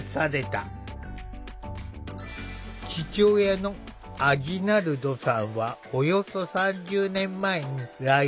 父親のアジナルドさんはおよそ３０年前に来日。